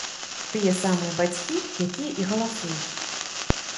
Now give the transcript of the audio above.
Тыя самыя бацькі, якія і галасуюць.